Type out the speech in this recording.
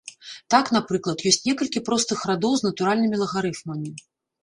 Так, напрыклад, ёсць некалькі простых радоў з натуральнымі лагарыфмамі.